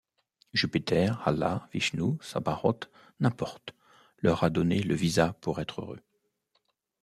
Jupiter, Allah, Vishnou, Sabaoth, n’importe, leur a donné le visa pour être heureux.